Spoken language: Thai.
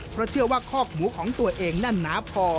เพราะเชื่อว่าคอกหมูของตัวเองแน่นหนาพอ